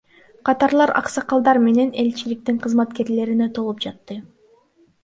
Катарлар аксакалдар менен элчиликтин кызматкерлерине толуп жатты.